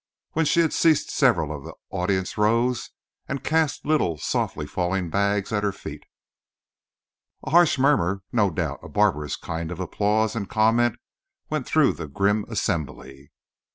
When she had ceased several of the audience rose and cast little softly falling bags at her feet. A harsh murmur—no doubt a barbarous kind of applause and comment—went through the grim assembly.